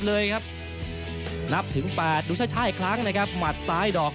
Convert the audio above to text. เลยครับนับถึง๘ดูช่าอีกครั้งนะครับหมัดซ้ายดอก